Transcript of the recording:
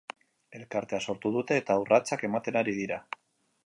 Elkartea sortu dute eta urratsak ematen ari dira.